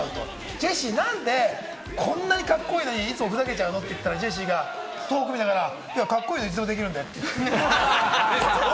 ジェシー、何でこんなにカッコいいのに、いつもふざけちゃうの？って言ったらジェシーが遠く見ながら、カッコいいのはいつでもできるんでって。